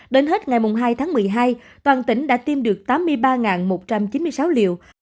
đến hết ngày hai tháng một mươi hai toàn tỉnh đã tiêm được tám mươi ba một trăm chín mươi sáu liều